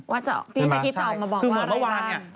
ว่าจะพี่ชายคิดออกมาบอกว่าอะไรบ้างใช่คือเหมือนเมื่อวานเนี่ย